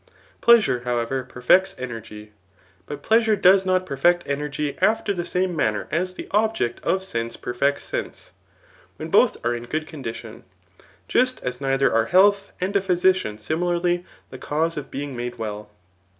Pleasure, however, perfects energy. But pleasure does not perfect energy after the same manner as the object of sense perfects sense, when both are in a good condition ; just as neither are health and a physician similarly the cause of being made well.